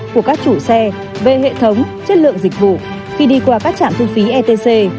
của các chủ xe về hệ thống chất lượng dịch vụ khi đi qua các trạm thu phí etc